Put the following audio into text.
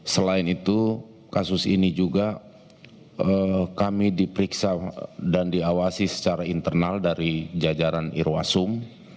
selain itu kasus ini juga kami diperiksa dan diawasi secara internal dari jajaran irwasum